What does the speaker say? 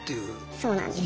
そうなんです。